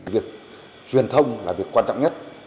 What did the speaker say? việc truyền thông là việc quan trọng nhất